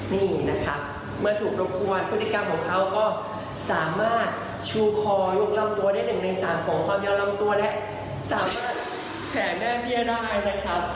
นี่นะคะเมื่อถูกรบกวนพฤติกรรมของเขาก็สามารถชูคอยกลำตัวได้๑ใน๓ของความยาวลำตัวและสามารถแผ่แม่เบี้ยได้นะครับ